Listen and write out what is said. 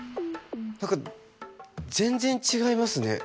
何か全然違いますね。